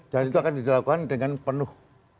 dan itu akan dilakukan dengan penuh